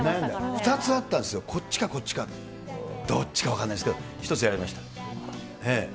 ２つあったんですよ、こっちか、こっちか、どっちか分かんないですけど、１つ選びました。